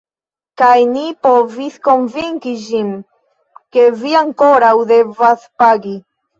Kaj ni provis konvinki ĝin, ke vi ankoraŭ devas pagi.